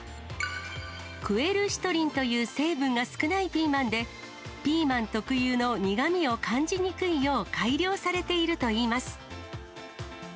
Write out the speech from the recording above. クエルシトリンという成分が少ないピーマンで、ピーマン特有の苦みを感じにくいよう改良されているといいます。